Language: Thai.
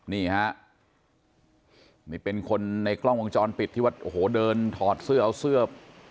นี่ฮะนี่เป็นคนในกล้องวงจรปิดที่วัดโอ้โหเดินถอดเสื้อเอาเสื้อ